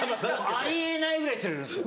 あり得ないぐらい釣れるんですよ。